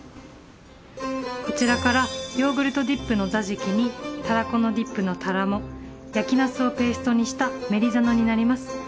こちらからヨーグルトディップのザジキにタラコのディップのタラモ焼きナスをペーストにしたメリザノになります。